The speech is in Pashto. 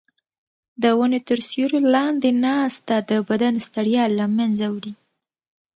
د ونو تر سیوري لاندې ناسته د بدن ستړیا له منځه وړي.